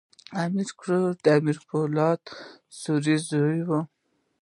امیر کروړ د امیر پولاد سوري زوی وو.